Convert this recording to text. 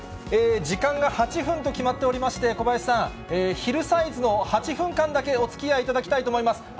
時間が８分と決まっておりまして、小林さん、ヒルサイズの８分間だけおつきあいいただきたいと思います。